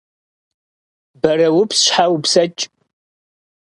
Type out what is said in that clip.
Бэрэупс щхьэ упсэкӏ!